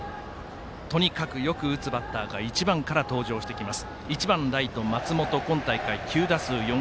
とにかくよく打つバッターが１番から登場してきます。